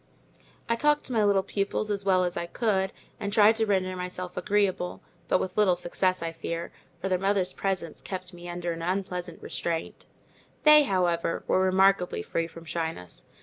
I talked to my little pupils as well as I could, and tried to render myself agreeable; but with little success I fear, for their mother's presence kept me under an unpleasant restraint. They, however, were remarkably free from shyness.